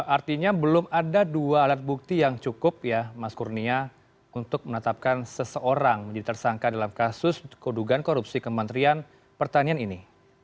artinya belum ada dua alat bukti yang cukup ya mas kurnia untuk menetapkan seseorang menjadi tersangka dalam kasus kedugaan korupsi kementerian pertanian ini